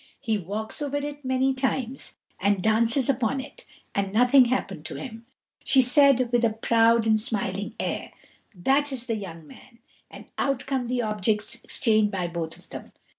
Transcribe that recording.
He walks over it many times, and dances upon it, and nothing happened to him. She said, with a proud and smiling air, "That is the young man;" and out come the objects exchanged by both of them.